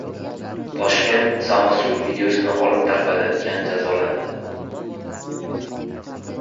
Toshkentda «samosud» videosini olib tarqatganlar jazolandi.